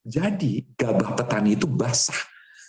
jadi gabah petani itu basah